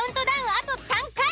あと３回。